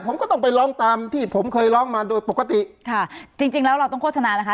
ผมก็ต้องไปร้องตามที่ผมเคยร้องมาโดยปกติค่ะจริงจริงแล้วเราต้องโฆษณานะคะ